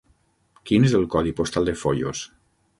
Quin és el codi postal de Foios?